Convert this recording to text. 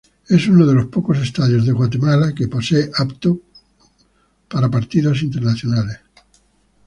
Es uno de los pocos estadios que Guatemala posee apto para partidos internacionales.